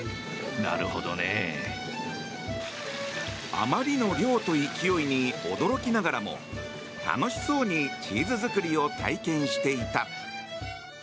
あまりの量と勢いに驚きながらも楽しそうにチーズ作りを体験していた。